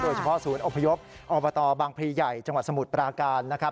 โดยเฉพาะศูนย์อพยพอบังพรีใหญ่จังหวัดสมุทรปราการนะครับ